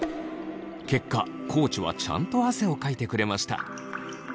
結果地はちゃんと汗をかいてくれました。